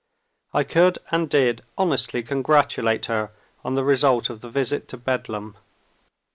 I could, and did, honestly congratulate her on the result of the visit to Bedlam.